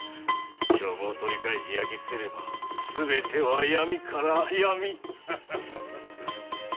帳簿を取り返し焼き捨てればすべて闇から闇。